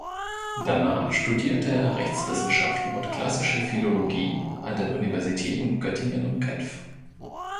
Danach studierte er Rechtswissenschaften und klassische Philologie an den Universitäten Göttingen und Genf.